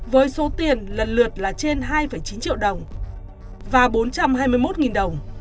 với số tiền lần lượt là trên hai chín triệu đồng và bốn trăm hai mươi một đồng